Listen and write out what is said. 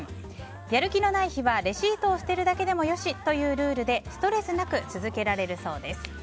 やる気のない日はレシートを捨てるだけでもよしというルールでストレスなく続けられるそうです。